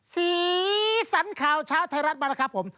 สีสันข่าวเช้าไทยรัฐมาแล้วครับผม